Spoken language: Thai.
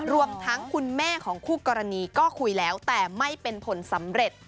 รวมทั้งคุณแม่ของคู่กรณีก็คุยแล้วแต่ไม่เป็นผลสำเร็จ